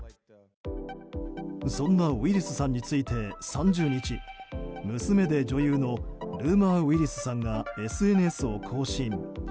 そんなウィリスさんについて３０日娘で女優のルーマー・ウィリスさんがＳＮＳを更新。